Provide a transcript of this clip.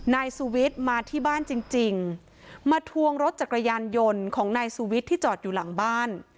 นายสุวิทย์มาที่บ้านจริงจริงมาทวงรถจักรยานยนต์ของนายสุวิทย์ที่จอดอยู่หลังบ้าน